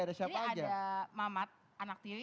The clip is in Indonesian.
ini ada mamat anaktiri